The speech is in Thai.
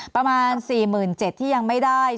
ประมาณ๔๗๐๐ที่ยังไม่ได้